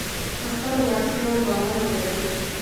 په خپلو وړتیاوو باور ولرئ.